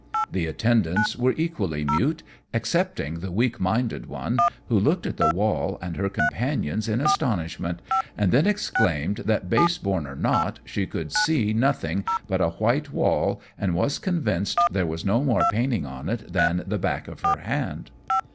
The attendants were equally mute, excepting the weak minded one, who looked at the wall and her companions in astonishment, and then exclaimed, that base born or not, she could see nothing but a white wall, and was convinced there was no more painting on it than on the back of her hand.